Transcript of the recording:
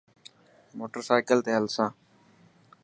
موٽر سائيڪل تي هلسان.